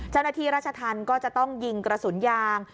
เจ้าหน้าที่ราชธรรมก็จะต้องยิงกระสุนยาง